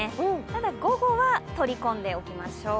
ただ、午後は取り込んでおきましょう。